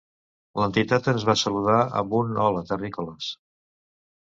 L'entitat ens va saludar amb un "hola terrícoles".